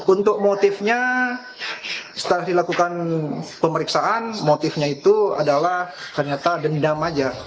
untuk motifnya setelah dilakukan pemeriksaan motifnya itu adalah ternyata dendam aja